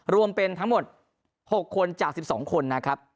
รวมเป็นทั้งหมดหกคนจากสิบสองคนนะครับ